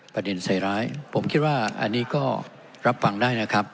ประเด็นใส่ร้ายผมคิดว่าอันนี้ก็รับฟังได้นะครับ